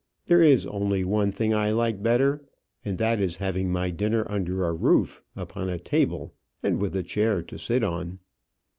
There is only one thing I like better; and that is having my dinner under a roof, upon a table, and with a chair to sit on."